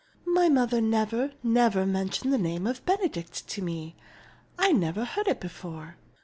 "My mother never, never mentioned the name of Benedict to me, I never heard of it before."